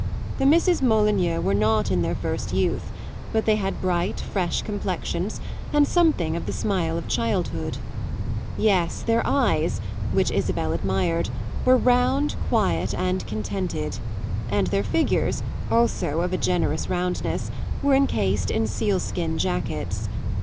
The Misses Molyneux were not in their first youth, but they had bright, fresh complexions and something of the smile of childhood. Yes, their eyes, which Isabel admired, were round, quiet and contented, and their figures, also of a generous roundness, were encased in sealskin jackets.